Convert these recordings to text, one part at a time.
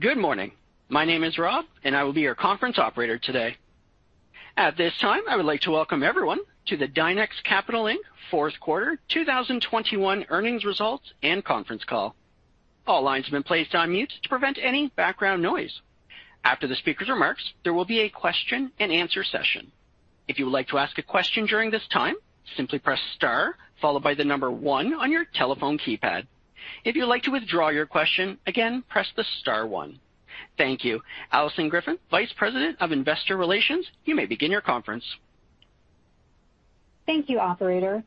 Good morning. My name is Rob, and I will be your conference operator today. At this time, I would like to welcome everyone to the Dynex Capital, Inc. fourth quarter 2021 earnings results and conference call. All lines have been placed on mute to prevent any background noise. After the speaker's remarks, there will be a question-and-answer session. If you would like to ask a question during this time, simply press star followed by the number one on your telephone keypad. If you'd like to withdraw your question, again, press the star one. Thank you. Alison Griffin, Vice President of Investor Relations, you may begin your conference. Thank you, operator.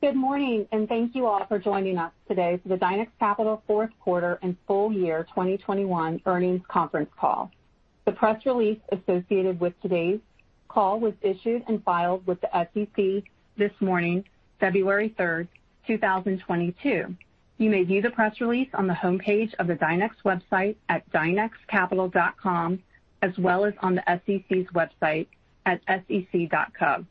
Good morning, and thank you all for joining us today for the Dynex Capital fourth quarter and full year 2021 earnings conference call. The press release associated with today's call was issued and filed with the SEC this morning, February 3, 2022. You may view the press release on the homepage of the Dynex website at dynexcapital.com, as well as on the SEC's website at sec.gov.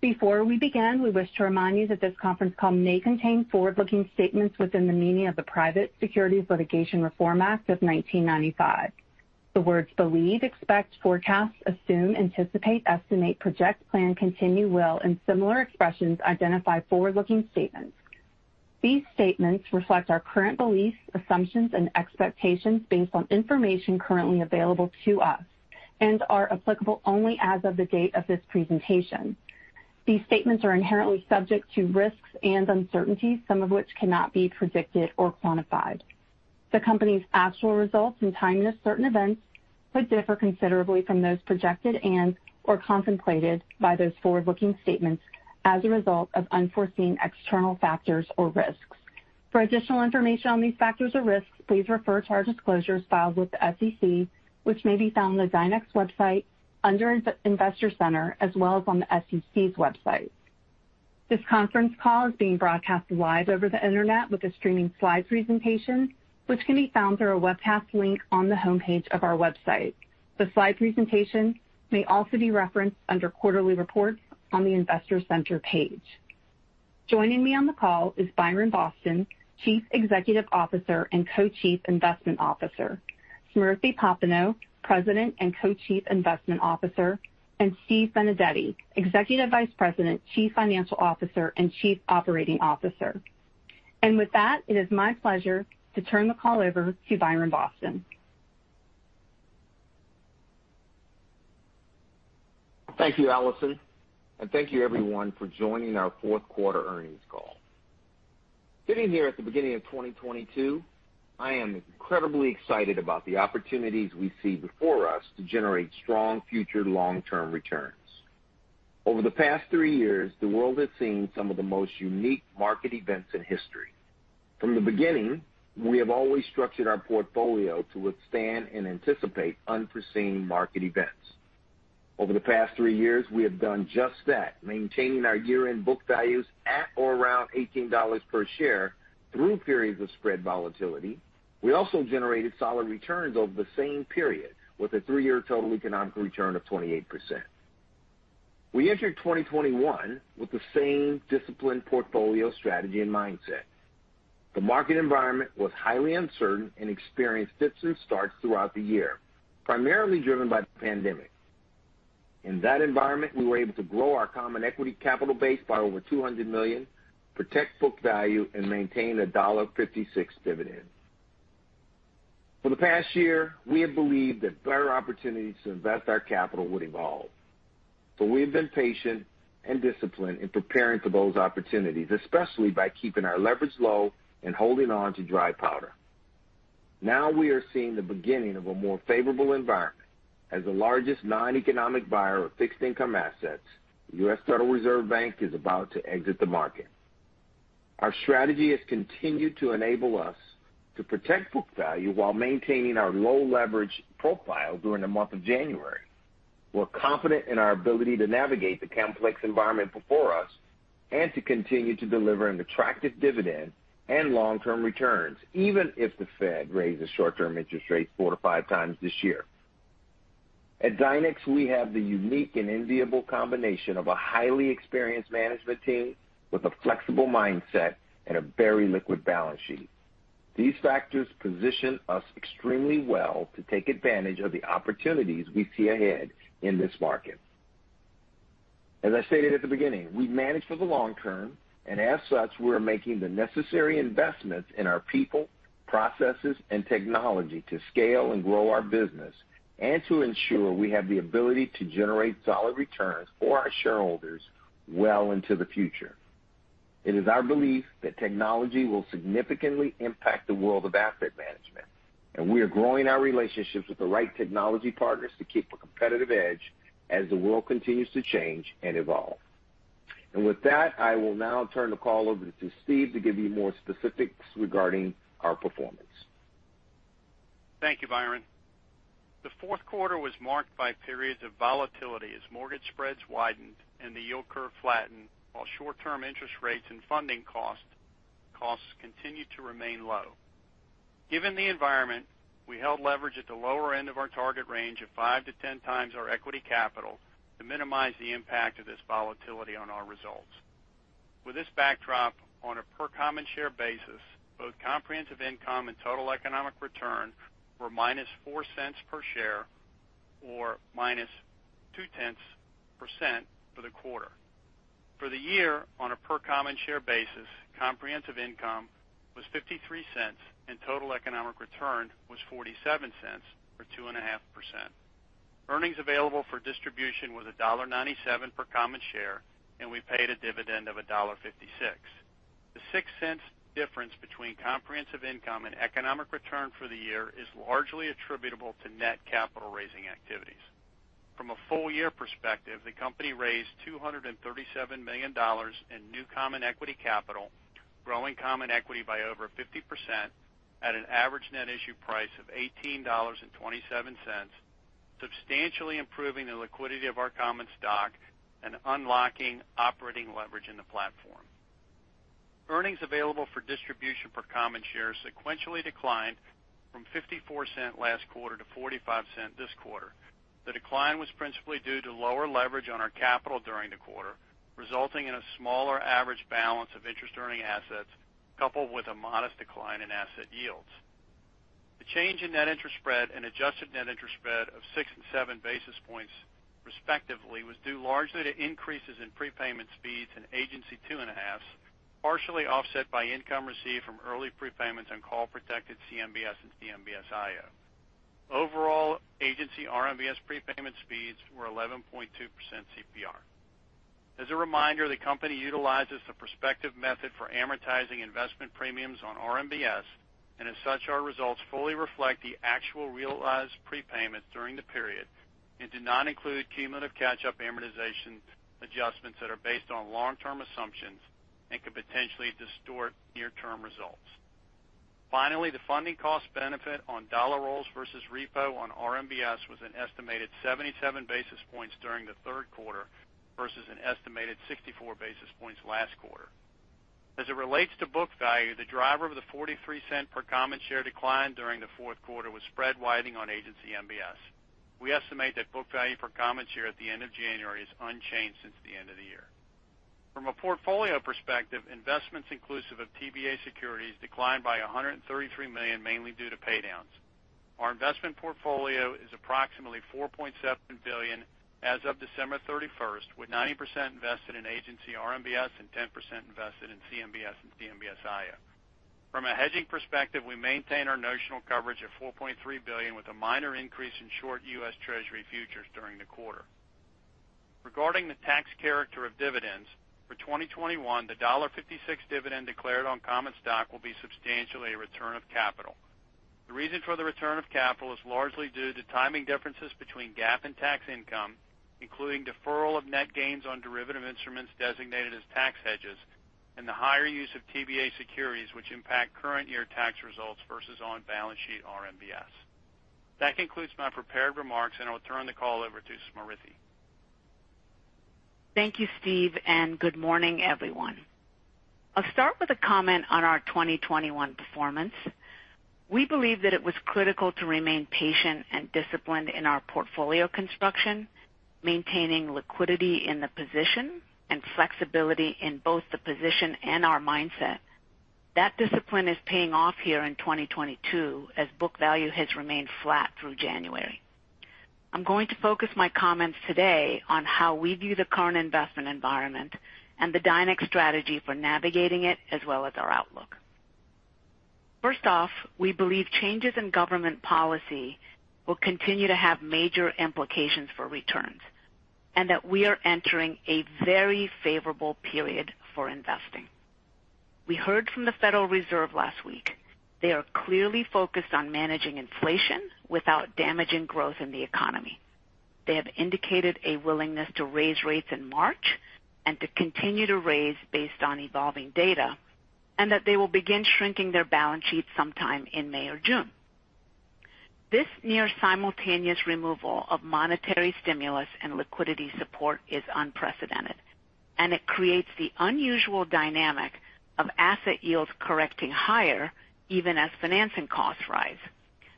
Before we begin, we wish to remind you that this conference call may contain forward-looking statements within the meaning of the Private Securities Litigation Reform Act of 1995. The words believe, expect, forecast, assume, anticipate, estimate, project, plan, continue, will and similar expressions identify forward-looking statements. These statements reflect our current beliefs, assumptions and expectations based on information currently available to us and are applicable only as of the date of this presentation. These statements are inherently subject to risks and uncertainties, some of which cannot be predicted or quantified. The company's actual results and timing of certain events may differ considerably from those projected and/or contemplated by those forward-looking statements as a result of unforeseen external factors or risks. For additional information on these factors or risks, please refer to our disclosures filed with the SEC, which may be found on the Dynex website under Investor Center as well as on the SEC's website. This conference call is being broadcast live over the internet with a streaming slides presentation which can be found through a webcast link on the homepage of our website. The slide presentation may also be referenced under Quarterly Reports on the Investor Center page. Joining me on the call is Byron Boston, Chief Executive Officer and Co-Chief Investment Officer, Smriti Popenoe, President and Co-Chief Investment Officer, and Steve Benedetti, Executive Vice President, Chief Financial Officer and Chief Operating Officer. With that, it is my pleasure to turn the call over to Byron Boston. Thank you, Alison. Thank you everyone for joining our fourth quarter earnings call. Sitting here at the beginning of 2022, I am incredibly excited about the opportunities we see before us to generate strong future long-term returns. Over the past three years, the world has seen some of the most unique market events in history. From the beginning, we have always structured our portfolio to withstand and anticipate unforeseen market events. Over the past three years, we have done just that, maintaining our year-end book values at or around $18 per share through periods of spread volatility. We also generated solid returns over the same period with a three-year total economic return of 28%. We entered 2021 with the same disciplined portfolio strategy and mindset. The market environment was highly uncertain and experienced fits and starts throughout the year, primarily driven by the pandemic. In that environment, we were able to grow our common equity capital base by over $200 million, protect book value and maintain a $1.56 dividend. For the past year, we have believed that better opportunities to invest our capital would evolve. We have been patient and disciplined in preparing for those opportunities, especially by keeping our leverage low and holding on to dry powder. Now we are seeing the beginning of a more favorable environment as the largest non-economic buyer of fixed income assets, the U.S. Federal Reserve Bank, is about to exit the market. Our strategy has continued to enable us to protect book value while maintaining our low leverage profile during the month of January. We're confident in our ability to navigate the complex environment before us and to continue to deliver an attractive dividend and long-term returns, even if the Fed raises short-term interest rates four to five times this year. At Dynex, we have the unique and enviable combination of a highly experienced management team with a flexible mindset and a very liquid balance sheet. These factors position us extremely well to take advantage of the opportunities we see ahead in this market. As I stated at the beginning, we manage for the long term, and as such, we are making the necessary investments in our people, processes and technology to scale and grow our business and to ensure we have the ability to generate solid returns for our shareholders well into the future. It is our belief that technology will significantly impact the world of asset management, and we are growing our relationships with the right technology partners to keep a competitive edge as the world continues to change and evolve. With that, I will now turn the call over to Steve to give you more specifics regarding our performance. Thank you, Byron. The fourth quarter was marked by periods of volatility as mortgage spreads widened and the yield curve flattened, while short-term interest rates and funding costs continued to remain low. Given the environment, we held leverage at the lower end of our target range of 5x-10x our equity capital to minimize the impact of this volatility on our results. With this backdrop on a per common share basis, both comprehensive income and total economic return were -$0.04 per share or -0.2% for the quarter. For the year, on a per common share basis, comprehensive income was $0.53, and total economic return was $0.47 or 2.5%. Earnings available for distribution was $1.97 per common share, and we paid a dividend of $1.56. The $0.06 difference between comprehensive income and economic return for the year is largely attributable to net capital raising activities. From a full year perspective, the company raised $237 million in new common equity capital, growing common equity by over 50% at an average net issue price of $18.27, substantially improving the liquidity of our common stock and unlocking operating leverage in the platform. Earnings available for distribution per common share sequentially declined from $0.54 last quarter to $0.45 this quarter. The decline was principally due to lower leverage on our capital during the quarter, resulting in a smaller average balance of interest-earning assets, coupled with a modest decline in asset yields. The change in net interest spread and adjusted net interest spread of six and seven basis points respectively was due largely to increases in prepayment speeds and Agency 2.5s, partially offset by income received from early prepayments and call protected CMBS and CMBS IO. Overall Agency RMBS prepayment speeds were 11.2% CPR. As a reminder, the company utilizes the prospective method for amortizing investment premiums on RMBS, and as such, our results fully reflect the actual realized prepayments during the period and do not include cumulative catch-up amortization adjustments that are based on long-term assumptions and could potentially distort near-term results. Finally, the funding cost benefit on dollar rolls versus repo on RMBS was an estimated 77 basis points during the third quarter versus an estimated 64 basis points last quarter. As it relates to book value, the driver of the $0.43 per common share decline during the fourth quarter was spread widening on agency MBS. We estimate that book value per common share at the end of January is unchanged since the end of the year. From a portfolio perspective, investments inclusive of TBA securities declined by $133 million mainly due to pay downs. Our investment portfolio is approximately $4.7 billion as of December 31, with 90% invested in Agency RMBS and 10% invested in CMBS and CMBS IO. From a hedging perspective, we maintain our notional coverage of $4.3 billion with a minor increase in short U.S. Treasury futures during the quarter. Regarding the tax character of dividends for 2021, the $1.56 dividend declared on common stock will be substantially a return of capital. The reason for the return of capital is largely due to timing differences between GAAP and tax income, including deferral of net gains on derivative instruments designated as tax hedges and the higher use of TBA securities which impact current year tax results versus on balance sheet RMBS. That concludes my prepared remarks, and I'll turn the call over to Smriti. Thank you, Steve, and good morning, everyone. I'll start with a comment on our 2021 performance. We believe that it was critical to remain patient and disciplined in our portfolio construction, maintaining liquidity in the position and flexibility in both the position and our mindset. That discipline is paying off here in 2022 as book value has remained flat through January. I'm going to focus my comments today on how we view the current investment environment and the Dynex strategy for navigating it as well as our outlook. First off, we believe changes in government policy will continue to have major implications for returns and that we are entering a very favorable period for investing. We heard from the Federal Reserve last week. They are clearly focused on managing inflation without damaging growth in the economy. They have indicated a willingness to raise rates in March and to continue to raise based on evolving data, and that they will begin shrinking their balance sheet sometime in May or June. This near simultaneous removal of monetary stimulus and liquidity support is unprecedented, and it creates the unusual dynamic of asset yields correcting higher even as financing costs rise,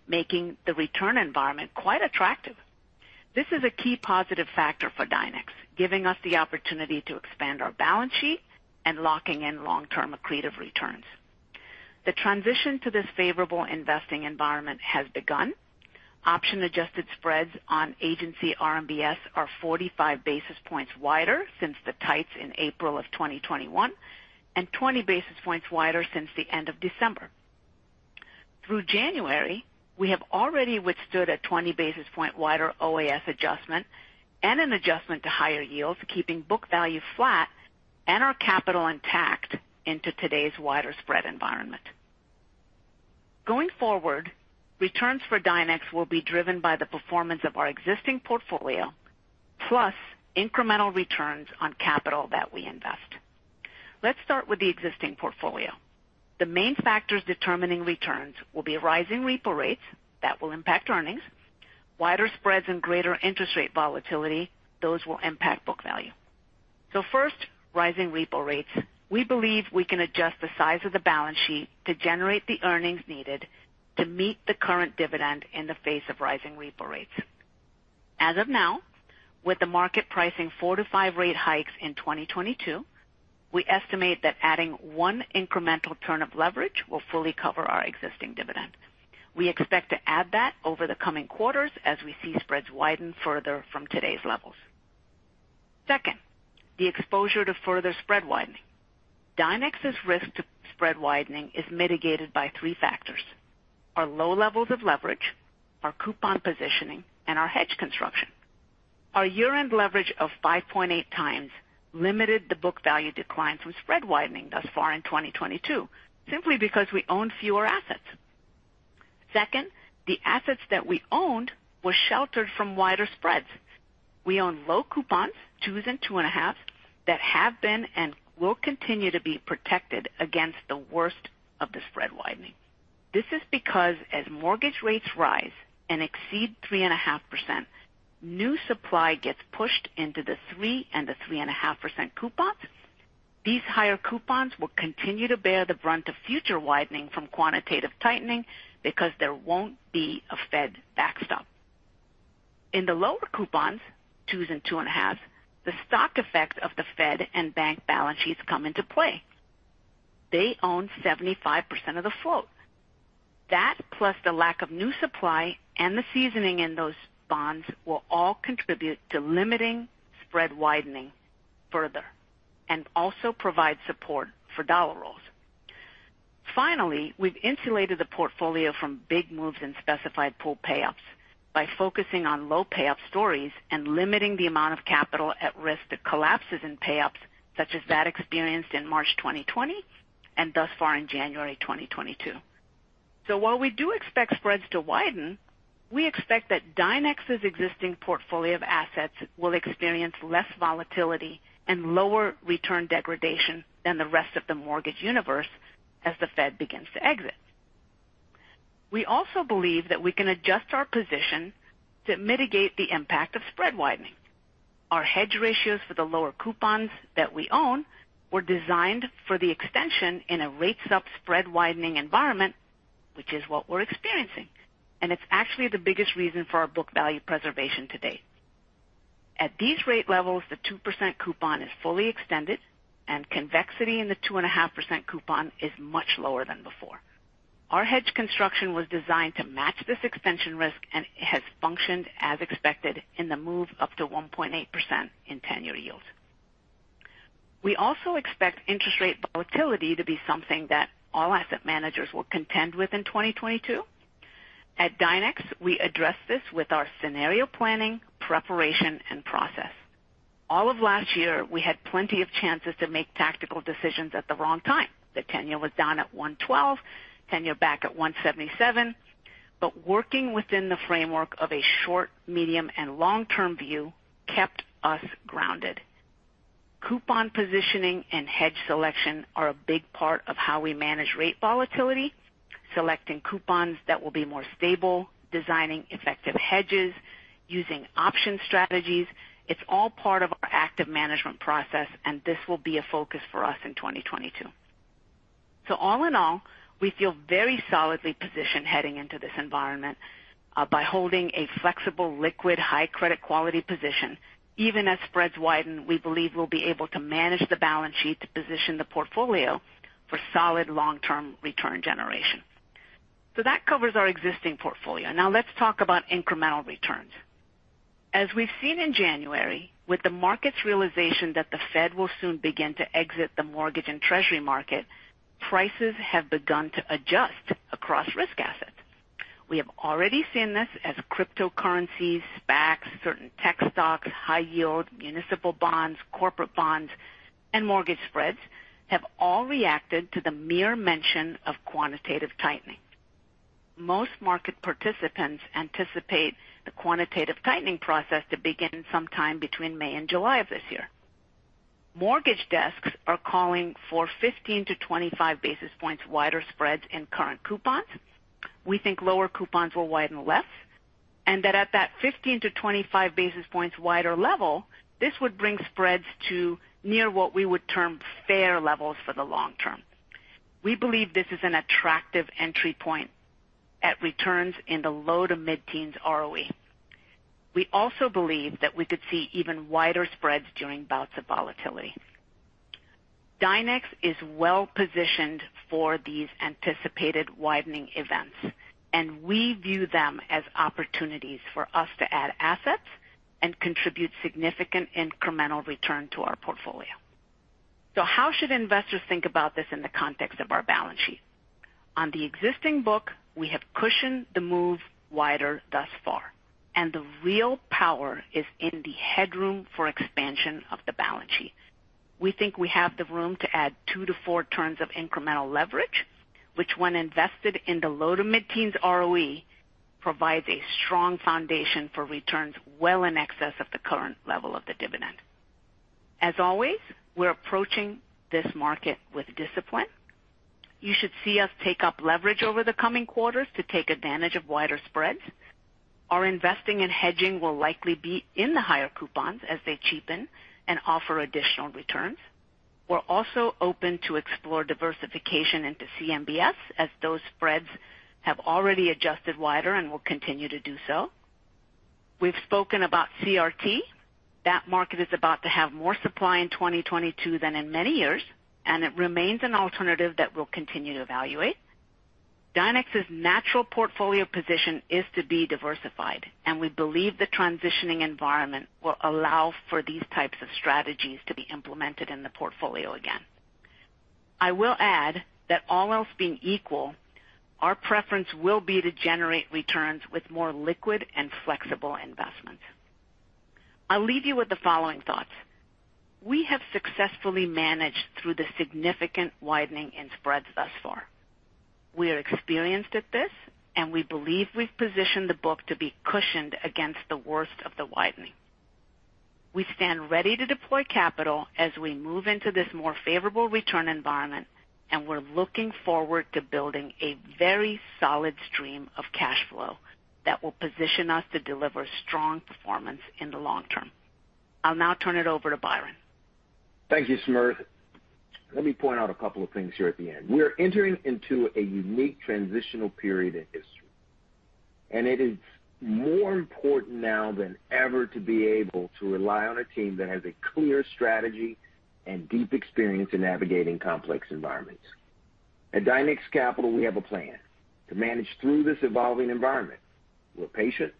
making the return environment quite attractive. This is a key positive factor for Dynex, giving us the opportunity to expand our balance sheet and locking in long-term accretive returns. The transition to this favorable investing environment has begun. Option-adjusted spreads on Agency RMBS are 45 basis points wider since the tights in April of 2021 and 20 basis points wider since the end of December. Through January, we have already withstood a 20 basis point wider OAS adjustment and an adjustment to higher yields, keeping book value flat and our capital intact into today's wider spread environment. Going forward, returns for Dynex will be driven by the performance of our existing portfolio plus incremental returns on capital that we invest. Let's start with the existing portfolio. The main factors determining returns will be rising repo rates that will impact earnings. Wider spreads and greater interest rate volatility, those will impact book value. First, rising repo rates. We believe we can adjust the size of the balance sheet to generate the earnings needed to meet the current dividend in the face of rising repo rates. As of now, with the market pricing four to five rate hikes in 2022, we estimate that adding one incremental turn of leverage will fully cover our existing dividend. We expect to add that over the coming quarters as we see spreads widen further from today's levels. Second, the exposure to further spread widening. Dynex's risk to spread widening is mitigated by three factors, our low levels of leverage, our coupon positioning, and our hedge construction. Our year-end leverage of 5.8x limited the book value decline from spread widening thus far in 2022, simply because we own fewer assets. Second, the assets that we owned were sheltered from wider spreads. We own low coupons, 2s and 2.5s, that have been and will continue to be protected against the worst of the spread widening. This is because as mortgage rates rise and exceed 3.5%, new supply gets pushed into the 3% and the 3.5% coupons. These higher coupons will continue to bear the brunt of future widening from quantitative tightening because there won't be a Fed backstop. In the lower coupons, 2s and 2.5, the stock effect of the Fed and bank balance sheets come into play. They own 75% of the float. That, plus the lack of new supply and the seasoning in those bonds, will all contribute to limiting spread widening further and also provide support for dollar rolls. Finally, we've insulated the portfolio from big moves in specified pool payoffs by focusing on low payoff stories and limiting the amount of capital at risk that collapses in payoffs such as that experienced in March 2020 and thus far in January 2022. While we do expect spreads to widen, we expect that Dynex's existing portfolio of assets will experience less volatility and lower return degradation than the rest of the mortgage universe as the Fed begins to exit. We also believe that we can adjust our position to mitigate the impact of spread widening. Our hedge ratios for the lower coupons that we own were designed for the extension in a rates up spread widening environment, which is what we're experiencing, and it's actually the biggest reason for our book value preservation to date. At these rate levels, the 2% coupon is fully extended and convexity in the 2.5% coupon is much lower than before. Our hedge construction was designed to match this extension risk and has functioned as expected in the move up to 1.8% in 10-year yield. We also expect interest rate volatility to be something that all asset managers will contend with in 2022. At Dynex, we address this with our scenario planning, preparation, and process. All of last year, we had plenty of chances to make tactical decisions at the wrong time. The 10-year was down at 1.12, 10-year back at 1.77. Working within the framework of a short, medium, and long-term view kept us grounded. Coupon positioning and hedge selection are a big part of how we manage rate volatility. Selecting coupons that will be more stable, designing effective hedges, using option strategies, it's all part of our active management process, and this will be a focus for us in 2022. All in all, we feel very solidly positioned heading into this environment by holding a flexible, liquid, high credit quality position. Even as spreads widen, we believe we'll be able to manage the balance sheet to position the portfolio for solid long-term return generation. That covers our existing portfolio. Now let's talk about incremental returns. As we've seen in January, with the market's realization that the Fed will soon begin to exit the mortgage and treasury market, prices have begun to adjust across risk assets. We have already seen this as cryptocurrencies, SPACs, certain tech stocks, high yield, municipal bonds, corporate bonds, and mortgage spreads have all reacted to the mere mention of quantitative tightening. Most market participants anticipate the quantitative tightening process to begin sometime between May and July of this year. Mortgage desks are calling for 15-25 basis points wider spreads in current coupons. We think lower coupons will widen less and that at that 15-25 basis points wider level, this would bring spreads to near what we would term fair levels for the long term. We believe this is an attractive entry point at returns in the low to mid-teens ROE. We also believe that we could see even wider spreads during bouts of volatility. Dynex is well positioned for these anticipated widening events, and we view them as opportunities for us to add assets and contribute significant incremental return to our portfolio. How should investors think about this in the context of our balance sheet? On the existing book, we have cushioned the move wider thus far, and the real power is in the headroom for expansion of the balance sheet. We think we have the room to add two to four turns of incremental leverage, which when invested in the low to mid-teens ROE, provides a strong foundation for returns well in excess of the current level of the dividend. As always, we're approaching this market with discipline. You should see us take up leverage over the coming quarters to take advantage of wider spreads. Our investing and hedging will likely be in the higher coupons as they cheapen and offer additional returns. We're also open to explore diversification into CMBS as those spreads have already adjusted wider and will continue to do so. We've spoken about CRT. That market is about to have more supply in 2022 than in many years, and it remains an alternative that we'll continue to evaluate. Dynex Capital's natural portfolio position is to be diversified and we believe the transitioning environment will allow for these types of strategies to be implemented in the portfolio again. I will add that all else being equal, our preference will be to generate returns with more liquid and flexible investments. I'll leave you with the following thoughts. We have successfully managed through the significant widening in spreads thus far. We are experienced at this, and we believe we've positioned the book to be cushioned against the worst of the widening. We stand ready to deploy capital as we move into this more favorable return environment, and we're looking forward to building a very solid stream of cash flow that will position us to deliver strong performance in the long term. I'll now turn it over to Byron. Thank you, Smriti. Let me point out a couple of things here at the end. We are entering into a unique transitional period in history, and it is more important now than ever to be able to rely on a team that has a clear strategy and deep experience in navigating complex environments. At Dynex Capital, we have a plan to manage through this evolving environment. We're patient,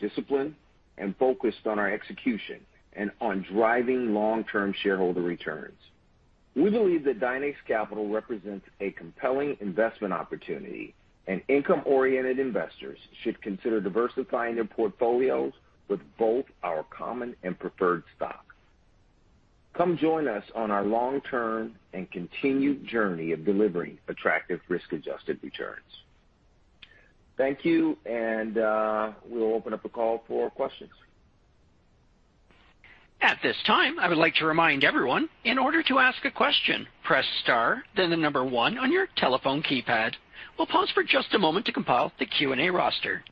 disciplined, and focused on our execution and on driving long-term shareholder returns. We believe that Dynex Capital represents a compelling investment opportunity, and income-oriented investors should consider diversifying their portfolios with both our common and preferred stock. Come join us on our long-term and continued journey of delivering attractive risk-adjusted returns. Thank you, and we'll open up the call for questions. At this time, I would like to remind everyone, in order to ask a question, press star, then the number one on your telephone keypad. We'll pause for just a moment to compile the Q&A roster.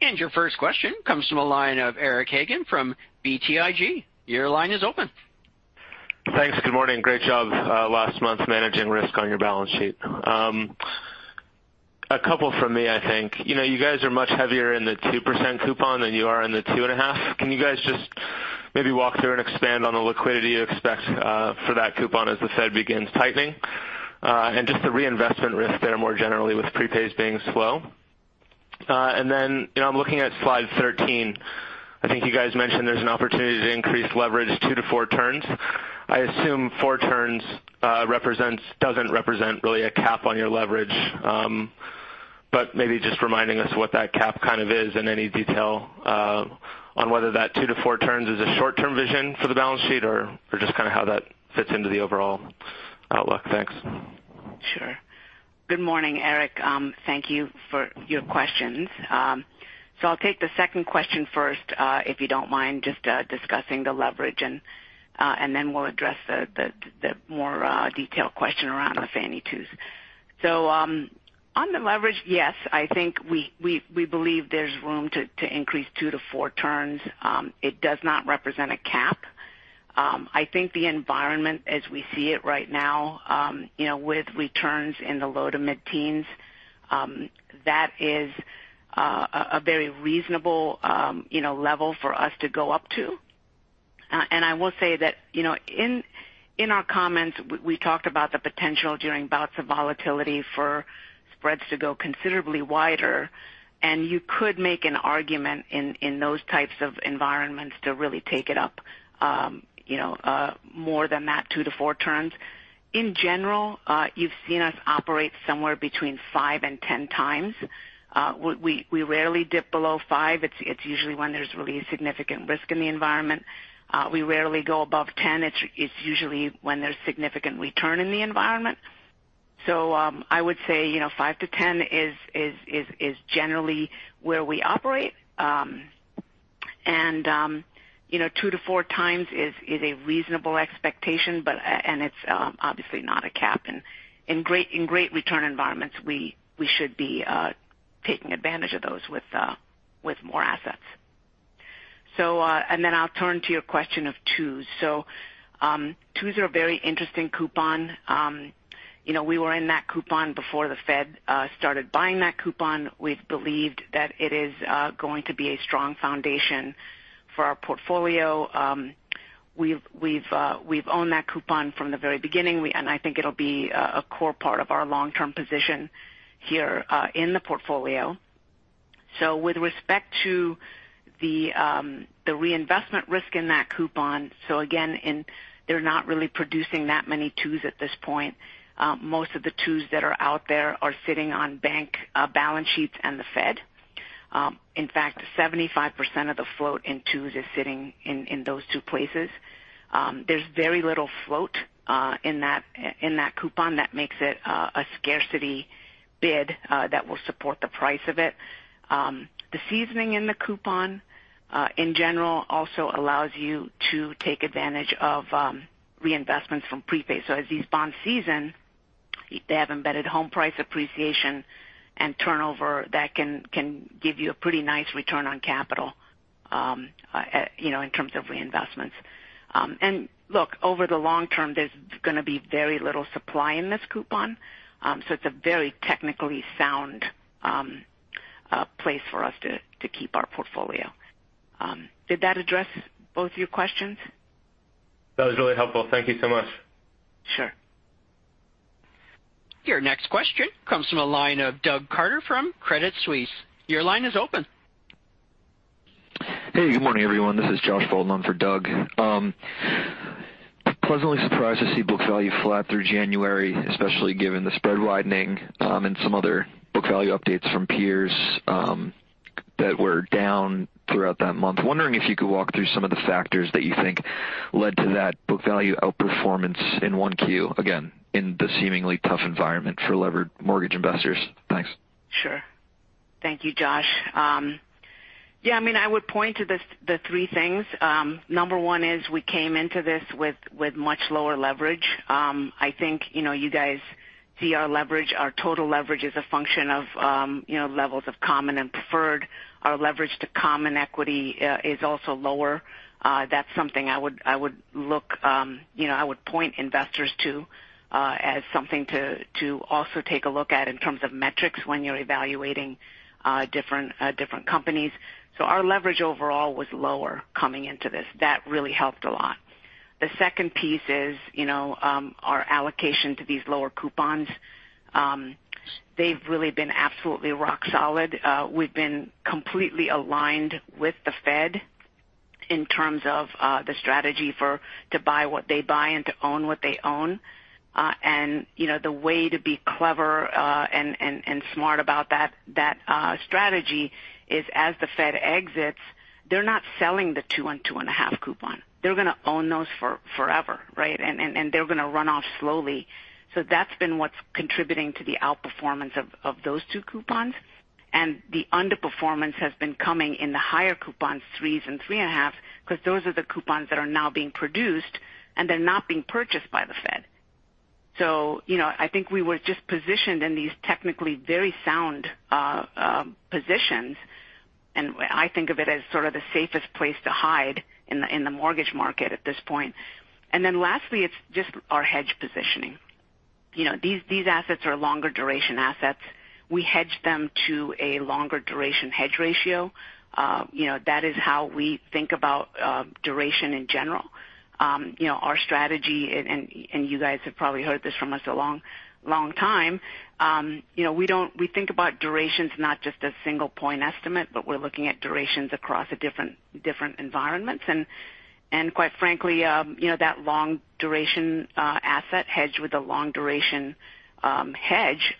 Your first question comes from a line of Eric Hagen from BTIG. Your line is open. Thanks. Good morning. Great job last month managing risk on your balance sheet. A couple from me, I think. You know, you guys are much heavier in the 2% coupon than you are in the 2.5%. Can you guys just maybe walk through and expand on the liquidity you expect for that coupon as the Fed begins tightening? And just the reinvestment risk there more generally with prepays being slow. And then, you know, I'm looking at slide 13. I think you guys mentioned there's an opportunity to increase leverage two to four turns. I assume four turns doesn't represent really a cap on your leverage. Maybe just reminding us what that cap kind of is in any detail, on whether that two to four turns is a short-term vision for the balance sheet or just kind of how that fits into the overall outlook. Thanks. Sure. Good morning, Eric. Thank you for your questions. I'll take the second question first, if you don't mind just discussing the leverage and then we'll address the more detailed question around the Fannie twos. On the leverage, yes, I think we believe there's room to increase two to four turns. It does not represent a cap. I think the environment as we see it right now, you know, with returns in the low to mid-teens, that is a very reasonable, you know, level for us to go up to. I will say that, you know, in our comments, we talked about the potential during bouts of volatility for spreads to go considerably wider, and you could make an argument in those types of environments to really take it up, you know, more than that two to four turns. In general, you've seen us operate somewhere between 5x-10x. We rarely dip below five. It's usually when there's really significant risk in the environment. We rarely go above 10. It's usually when there's significant return in the environment. I would say, you know, 5x-10x is generally where we operate. You know, 2x-4x is a reasonable expectation, but and it's obviously not a cap. In great return environments, we should be taking advantage of those with more assets. I'll turn to your question of twos. Twos are a very interesting coupon. You know, we were in that coupon before the Fed started buying that coupon. We've believed that it is going to be a strong foundation for our portfolio. We've owned that coupon from the very beginning. I think it'll be a core part of our long-term position here in the portfolio. With respect to the reinvestment risk in that coupon, again, they're not really producing that many twos at this point. Most of the twos that are out there are sitting on bank balance sheets and the Fed. In fact, 75% of the float in twos is sitting in those two places. There's very little float in that coupon that makes it a scarcity bid that will support the price of it. The seasoning in the coupon in general also allows you to take advantage of reinvestments from prepay. As these bonds season, they have embedded home price appreciation and turnover that can give you a pretty nice return on capital, you know, in terms of reinvestments. Look, over the long term, there's gonna be very little supply in this coupon. It's a very technically sound place for us to keep our portfolio. Did that address both of your questions? That was really helpful. Thank you so much. Sure. Your next question comes from a line of Douglas Harter from Credit Suisse. Your line is open. Hey, good morning, everyone. This is Josh Bollman for Doug. Pleasantly surprised to see book value flat through January, especially given the spread widening, and some other book value updates from peers, that were down throughout that month. Wondering if you could walk through some of the factors that you think led to that book value outperformance in 1Q, again, in the seemingly tough environment for levered mortgage investors. Thanks. Sure. Thank you, Josh. Yeah, I mean, I would point to the three things. Number one is we came into this with much lower leverage. I think, you know, you guys see our leverage. Our total leverage is a function of, you know, levels of common and preferred. Our leverage to common equity is also lower. That's something I would look, you know, I would point investors to as something to also take a look at in terms of metrics when you're evaluating different companies. Our leverage overall was lower coming into this. That really helped a lot. The second piece is, you know, our allocation to these lower coupons. They've really been absolutely rock solid. We've been completely aligned with the Fed in terms of the strategy to buy what they buy and to own what they own. You know, the way to be clever and smart about that strategy is as the Fed exits, they're not selling the two and 2.5 coupon. They're gonna own those for forever, right? They're gonna run off slowly. So that's been what's contributing to the outperformance of those two coupons. The underperformance has been coming in the higher coupons, 3s and 3.5, 'cause those are the coupons that are now being produced, and they're not being purchased by the Fed. You know, I think we were just positioned in these technically very sound positions, and I think of it as sort of the safest place to hide in the mortgage market at this point. Then lastly, it's just our hedge positioning. You know, these assets are longer duration assets. We hedge them to a longer duration hedge ratio. You know, that is how we think about duration in general. You know, our strategy and you guys have probably heard this from us a long time. We think about durations not just as single point estimate, but we're looking at durations across a different environments. Quite frankly, you know, that long duration asset hedged with a long duration hedge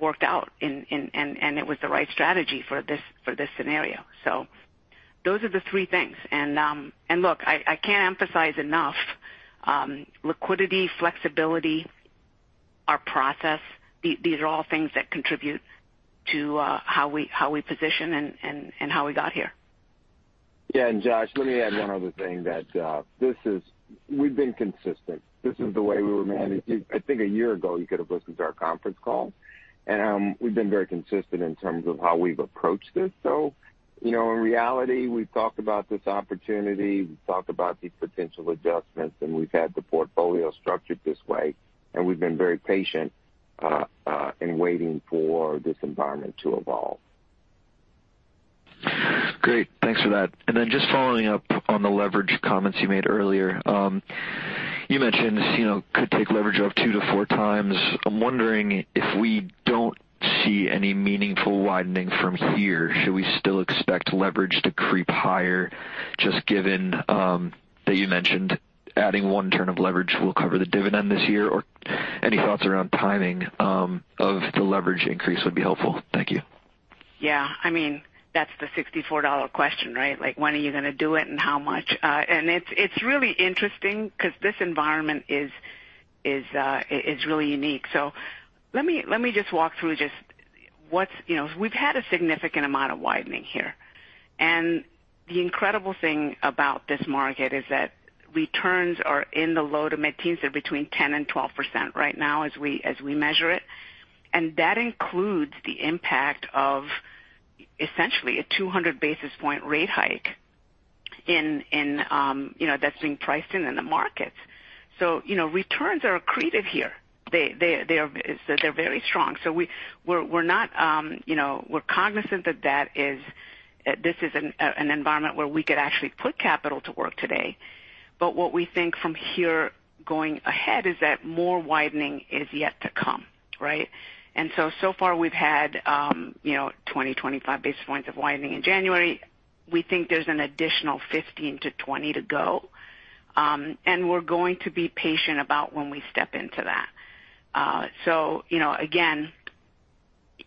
worked out and it was the right strategy for this scenario. So those are the three things. Look, I can't emphasize enough liquidity, flexibility, our process. These are all things that contribute to how we position and how we got here. Yeah. Josh, let me add one other thing that this is. We've been consistent. This is the way we were managing. I think a year ago you could have listened to our conference call. We've been very consistent in terms of how we've approached this. You know, in reality, we've talked about this opportunity, we've talked about these potential adjustments, and we've had the portfolio structured this way, and we've been very patient in waiting for this environment to evolve. Great. Thanks for that. Just following up on the leverage comments you made earlier. You mentioned, you know, could take leverage of 2x-4x. I'm wondering if we don't see any meaningful widening from here, should we still expect leverage to creep higher just given that you mentioned adding one turn of leverage will cover the dividend this year, or any thoughts around timing of the leverage increase would be helpful? Thank you. Yeah. I mean, that's the 64-dollar question, right? Like, when are you gonna do it and how much? It's really interesting 'cause this environment is really unique. Let me just walk through just what's. You know, we've had a significant amount of widening here. The incredible thing about this market is that returns are in the low to mid-teens. They're between 10%-12% right now as we measure it. That includes the impact of essentially a 200 basis point rate hike, you know, that's being priced in in the markets. You know, returns are accreted here. They're very strong. We're not, you know. We're cognizant that this is an environment where we could actually put capital to work today. What we think from here going ahead is that more widening is yet to come, right? So far we've had, you know, 25 basis points of widening in January. We think there's an additional 15-20 to go. We're going to be patient about when we step into that. You know, again,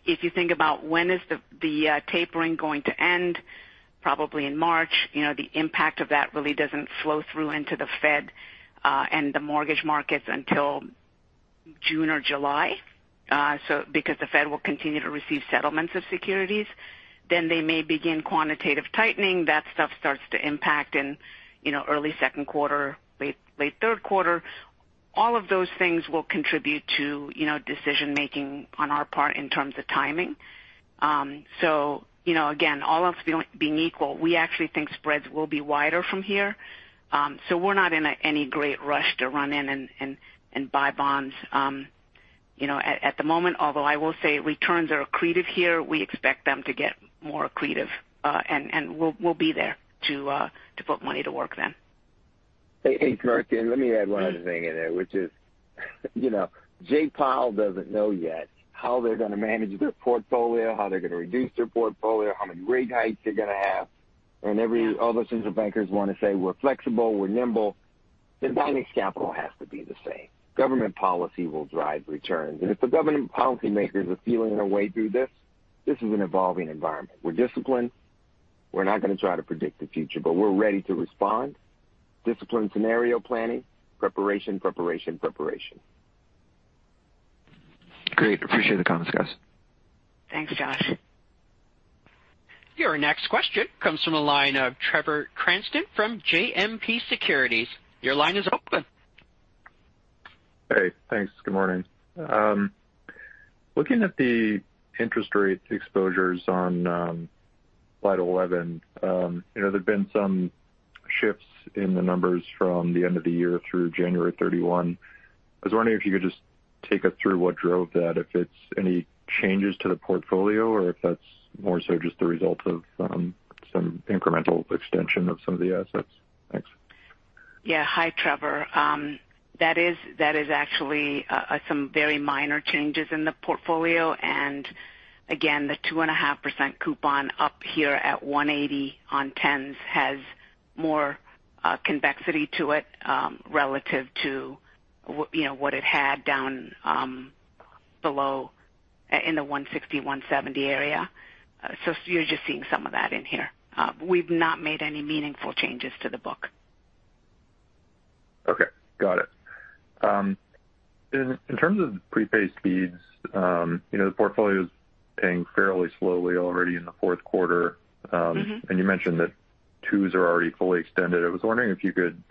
if you think about when the tapering is going to end, probably in March. You know, the impact of that really doesn't flow through into the Fed and the mortgage markets until June or July. Because the Fed will continue to receive settlements of securities, then they may begin quantitative tightening. That stuff starts to impact, you know, in early second quarter, late third quarter. All of those things will contribute to, you know, decision making on our part in terms of timing. You know, again, all else being equal, we actually think spreads will be wider from here. We're not in any great rush to run in and buy bonds, you know, at the moment. Although I will say returns are accretive here. We expect them to get more accretive, and we'll be there to put money to work then. Hey, hey, Mark, let me add one other thing in there, which is, you know, Jerome Powell doesn't know yet how they're gonna manage their portfolio, how they're gonna reduce their portfolio, how many rate hikes they're gonna have. Every other central bankers wanna say, "We're flexible, we're nimble." Buying capital has to be the same. Government policy will drive returns. If the government policymakers are feeling their way through this is an evolving environment. We're disciplined. We're not gonna try to predict the future, but we're ready to respond. Disciplined scenario planning, preparation. Great. Appreciate the comments, guys. Thanks, Josh. Your next question comes from the line of Trevor Cranston from JMP Securities. Your line is open. Hey, thanks. Good morning. Looking at the interest rate exposures on slide 11, you know, there's been some shifts in the numbers from the end of the year through January 31. I was wondering if you could just take us through what drove that, if it's any changes to the portfolio or if that's more so just the result of some incremental extension of some of the assets. Thanks. Yeah. Hi, Trevor. That is actually some very minor changes in the portfolio. Again, the 2.5% coupon up here at 180 on 10s has more convexity to it, relative to you know, what it had down below in the 160, 170 area. So you're just seeing some of that in here. We've not made any meaningful changes to the book. Okay, got it. In terms of prepaid speeds, you know, the portfolio's paying fairly slowly already in the fourth quarter. you mentioned that twos are already fully extended. I was wondering if you could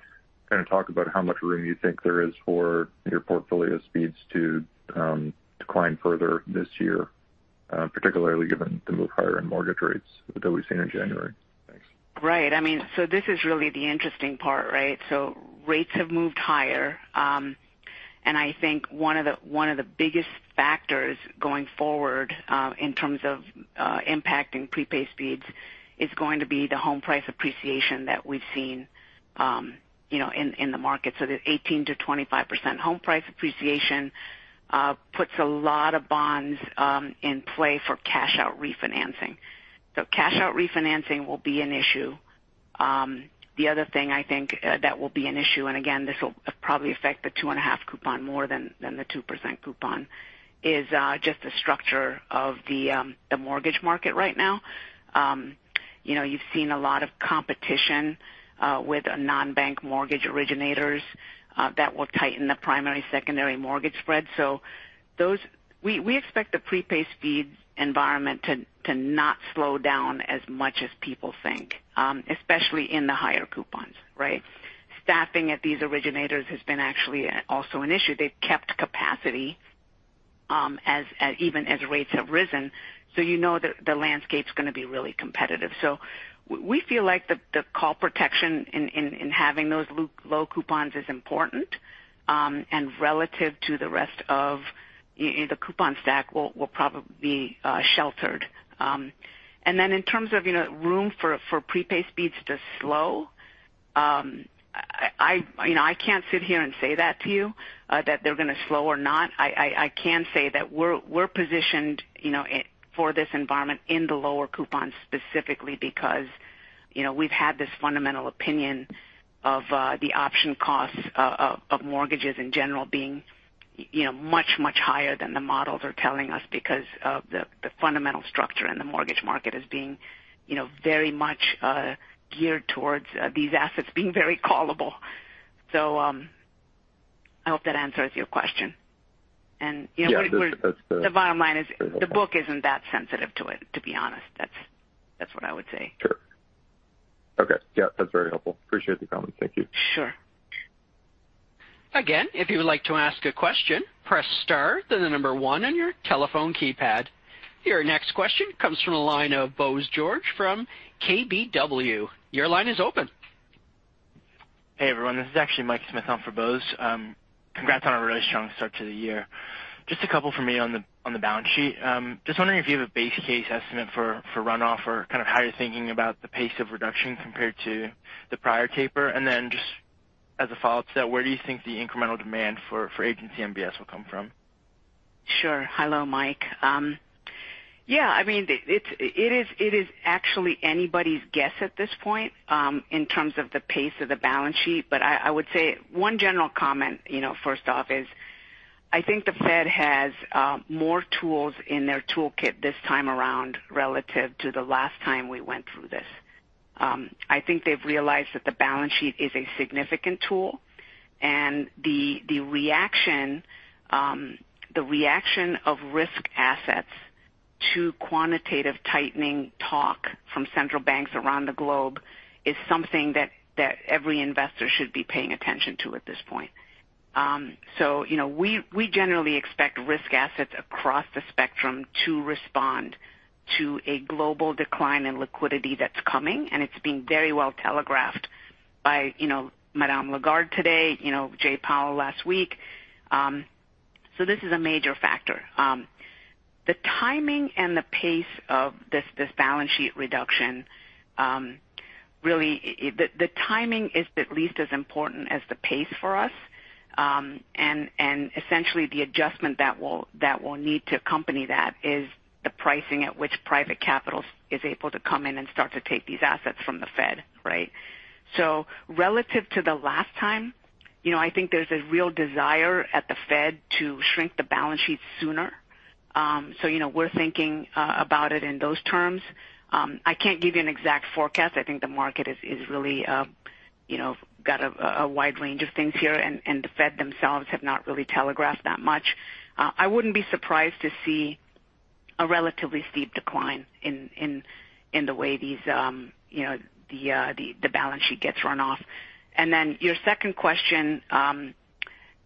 kinda talk about how much room you think there is for your portfolio speeds to decline further this year, particularly given the move higher in mortgage rates that we've seen in January. Thanks. Right. I mean, this is really the interesting part, right? Rates have moved higher. I think one of the biggest factors going forward in terms of impacting prepay speeds is going to be the home price appreciation that we've seen, you know, in the market. The 18%-25% home price appreciation puts a lot of bonds in play for cash out refinancing. Cash out refinancing will be an issue. The other thing I think that will be an issue, and again, this will probably affect the 2.5% coupon more than the 2% coupon, is just the structure of the mortgage market right now. You know, you've seen a lot of competition with non-bank mortgage originators that will tighten the primary-secondary mortgage spread. We expect the prepay speed environment to not slow down as much as people think, especially in the higher coupons, right? Staffing at these originators has been actually also an issue. They've kept capacity even as rates have risen. You know the landscape's gonna be really competitive. We feel like the call protection in having those low coupons is important, and relative to the rest of the coupon stack will probably be sheltered. In terms of you know room for prepay speeds to slow, I, you know, I can't sit here and say that to you that they're gonna slow or not. I can say that we're positioned, you know, it for this environment in the lower coupons specifically because, you know, we've had this fundamental opinion of the option costs of mortgages in general being, you know, much higher than the models are telling us because of the fundamental structure in the mortgage market being very much geared towards these assets being very callable. I hope that answers your question. Yeah. The bottom line is the book isn't that sensitive to it, to be honest. That's what I would say. Sure. Okay. Yeah. That's very helpful. Appreciate the comment. Thank you. Sure. Again, if you would like to ask a question, press star then the number one on your telephone keypad. Your next question comes from the line of Bose George from KBW. Your line is open. Hey, everyone. This is actually Mike Smith on for Bose. Congrats on a really strong start to the year. Just a couple for me on the balance sheet. Just wondering if you have a base case estimate for runoff or kind of how you're thinking about the pace of reduction compared to the prior taper. Just as a follow-up to that, where do you think the incremental demand for Agency MBS will come from? Sure. Hello, Mike. Yeah, I mean, it is actually anybody's guess at this point in terms of the pace of the balance sheet. I would say one general comment, you know, first off is I think the Fed has more tools in their toolkit this time around relative to the last time we went through this. I think they've realized that the balance sheet is a significant tool, and the reaction of risk assets to quantitative tightening talk from central banks around the globe is something that every investor should be paying attention to at this point. You know, we generally expect risk assets across the spectrum to respond to a global decline in liquidity that's coming, and it's being very well telegraphed by, you know, Christine Lagarde today, you know, Jerome Powell last week. This is a major factor. The timing and the pace of this balance sheet reduction really the timing is at least as important as the pace for us. Essentially the adjustment that will need to accompany that is the pricing at which private capital is able to come in and start to take these assets from the Fed, right? Relative to the last time, you know, I think there's a real desire at the Fed to shrink the balance sheet sooner. You know, we're thinking about it in those terms. I can't give you an exact forecast. I think the market is really, you know, got a wide range of things here, and the Fed themselves have not really telegraphed that much. I wouldn't be surprised to see a relatively steep decline in the way these, you know, the balance sheet gets run off. Then your second question,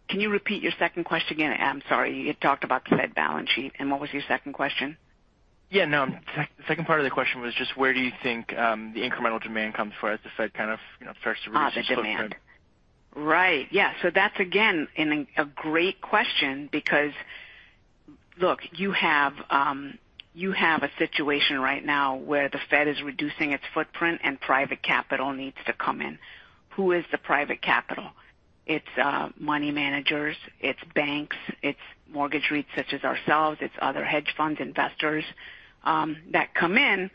can you repeat your second question again? I'm sorry. You talked about the Fed balance sheet, and what was your second question? Yeah, no, the second part of the question was just where do you think the incremental demand comes from as the Fed kind of, you know, starts to reduce its footprint? The demand. Right. Yeah. That's again a great question because look, you have a situation right now where the Fed is reducing its footprint and private capital needs to come in. Who is the private capital? It's money managers, it's banks, it's mortgage REITs such as ourselves, it's other hedge funds, investors that come in.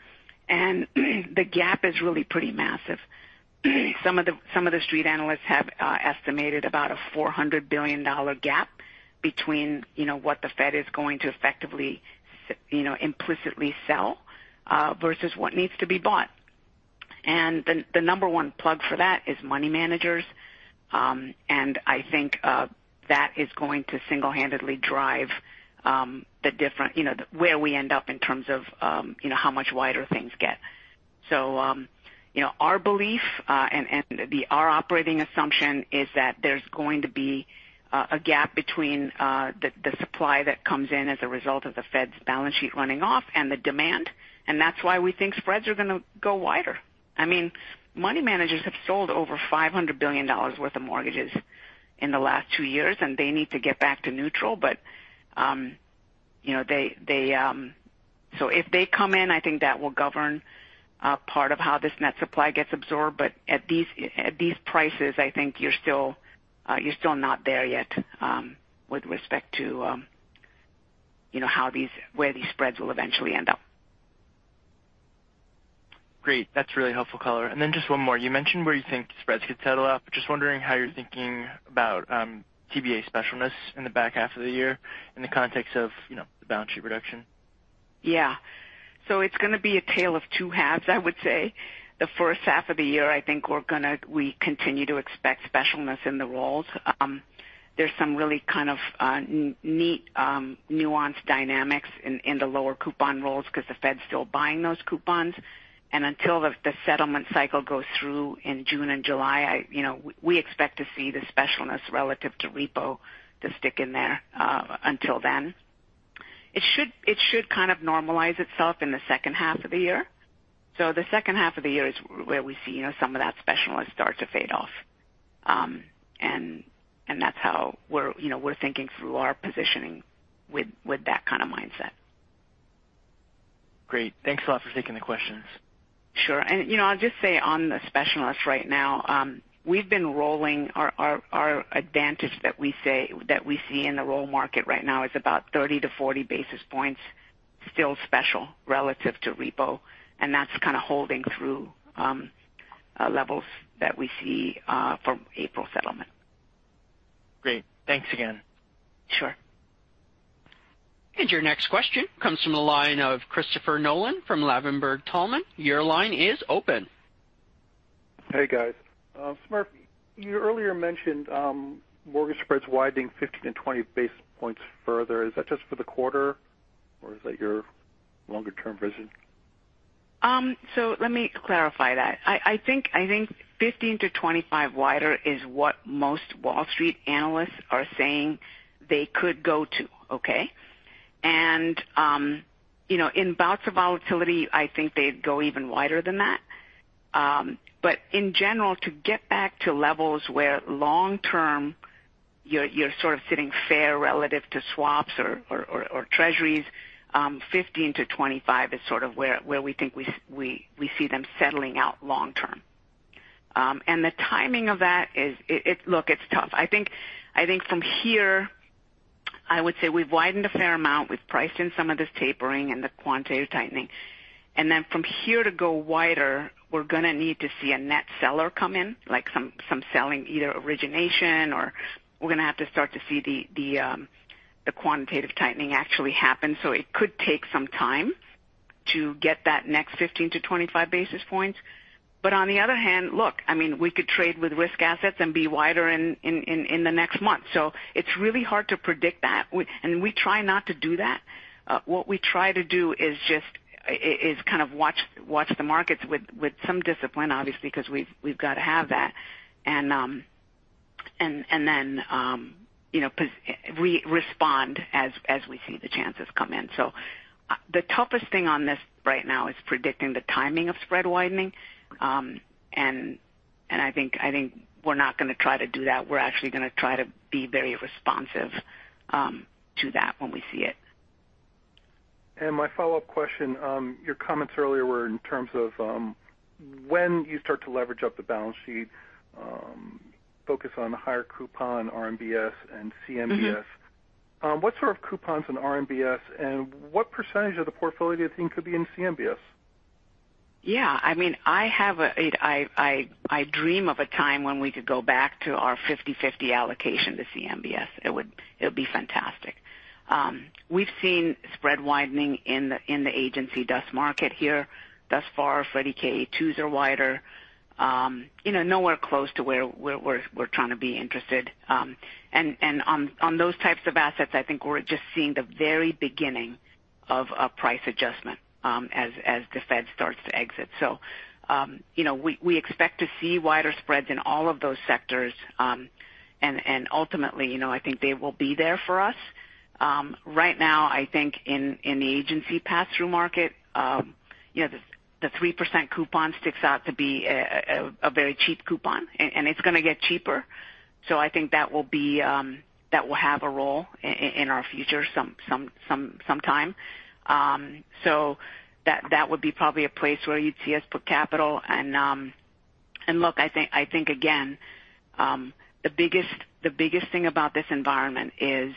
The gap is really pretty massive. Some of the Street analysts have estimated about a $400 billion gap between, you know, what the Fed is going to effectively, you know, implicitly sell versus what needs to be bought. The number one plug for that is money managers. I think that is going to single-handedly drive the different. You know, where we end up in terms of, you know, how much wider things get. Our belief and our operating assumption is that there's going to be a gap between the supply that comes in as a result of the Fed's balance sheet running off and the demand, and that's why we think spreads are gonna go wider. I mean, money managers have sold over $500 billion worth of mortgages in the last two years, and they need to get back to neutral. You know, if they come in, I think that will govern part of how this net supply gets absorbed. At these prices, I think you're still not there yet, with respect to, you know, where these spreads will eventually end up. Great. That's really helpful color. Just one more. You mentioned where you think spreads could settle out, but just wondering how you're thinking about TBA specialness in the back half of the year in the context of, you know, the balance sheet reduction? Yeah. It's gonna be a tale of two halves, I would say. The first half of the year, I think we continue to expect specialness in the rolls. There's some really kind of neat nuanced dynamics in the lower coupon rolls because the Fed's still buying those coupons. Until the settlement cycle goes through in June and July, I you know, we expect to see the specialness relative to repo to stick in there until then. It should kind of normalize itself in the second half of the year. The second half of the year is where we see you know, some of that specialness start to fade off. And that's how we're you know, we're thinking through our positioning with that kind of mindset. Great. Thanks a lot for taking the questions. Sure. You know, I'll just say on the specialness right now, we've been rolling our advantage that we see in the roll market right now is about 30-40 basis points still special relative to repo, and that's kind of holding through levels that we see from April settlement. Great. Thanks again. Sure. Your next question comes from the line of Christopher Nolan from Ladenburg Thalmann. Your line is open. Hey, guys. Smriti, you earlier mentioned mortgage spreads widening 15-20 basis points further. Is that just for the quarter, or is that your longer-term vision? Let me clarify that. I think 15-25 wider is what most Wall Street analysts are saying they could go to. Okay? You know, in bouts of volatility, I think they'd go even wider than that. In general to get back to levels where long term you're sort of sitting fair relative to swaps or Treasuries, 15-25 is sort of where we think we see them settling out long term. The timing of that is tough. I think from here, I would say we've widened a fair amount. We've priced in some of this tapering and the quantitative tightening. From here to go wider, we're gonna need to see a net seller come in, like some selling, either origination or we're gonna have to start to see the quantitative tightening actually happen. So it could take some time to get that next 15-25 basis points. But on the other hand, look, I mean, we could trade with risk assets and be wider in the next month. So it's really hard to predict that. We try not to do that. What we try to do is just kind of watch the markets with some discipline, obviously, because we've got to have that. Then, you know, respond as we see the changes come in. The toughest thing on this right now is predicting the timing of spread widening. I think we're not gonna try to do that. We're actually gonna try to be very responsive to that when we see it. My follow-up question, your comments earlier were in terms of when you start to leverage up the balance sheet, focus on higher coupon RMBS and CMBS. What sort of coupons and RMBS and what percentage of the portfolio do you think could be in CMBS? Yeah, I mean, I have a dream of a time when we could go back to our 50/50 allocation to CMBS. It would be fantastic. We've seen spread widening in the agency DUS market here thus far. Freddie K A2s are wider. You know, nowhere close to where we're trying to be interested. And on those types of assets, I think we're just seeing the very beginning of a price adjustment as the Fed starts to exit. You know, we expect to see wider spreads in all of those sectors. And ultimately, you know, I think they will be there for us. Right now, I think in the agency pass-through market, you know, the 3% coupon sticks out to be a very cheap coupon, and it's gonna get cheaper. I think that will have a role in our future sometime. That would be probably a place where you'd see us put capital. Look, I think again, the biggest thing about this environment is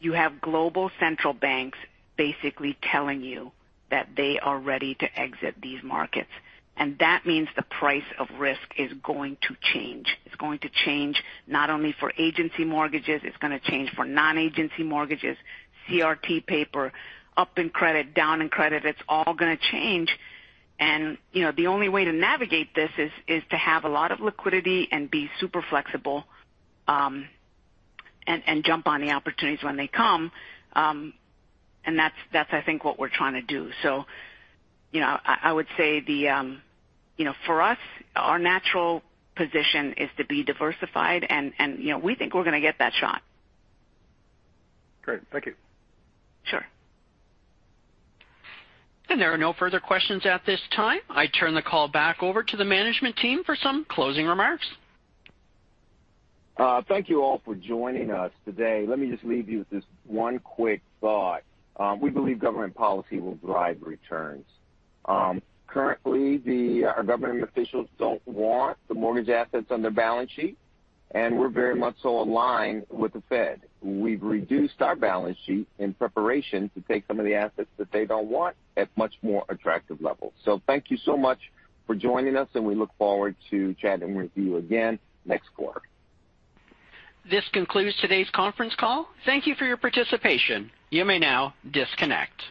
you have global central banks basically telling you that they are ready to exit these markets, and that means the price of risk is going to change. It's going to change not only for agency mortgages, it's gonna change for non-agency mortgages, CRT paper, up in credit, down in credit. It's all gonna change. You know, the only way to navigate this is to have a lot of liquidity and be super flexible, and jump on the opportunities when they come. That's, I think, what we're trying to do. You know, I would say the, you know, for us, our natural position is to be diversified and, you know, we think we're gonna get that shot. Great. Thank you. Sure. There are no further questions at this time. I turn the call back over to the management team for some closing remarks. Thank you all for joining us today. Let me just leave you with this one quick thought. We believe government policy will drive returns. Currently, our government officials don't want the mortgage assets on their balance sheet, and we're very much so aligned with the Fed. We've reduced our balance sheet in preparation to take some of the assets that they don't want at much more attractive levels. Thank you so much for joining us, and we look forward to chatting with you again next quarter. This concludes today's conference call. Thank you for your participation. You may now disconnect.